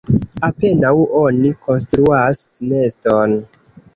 Apenaŭ oni konstruas neston.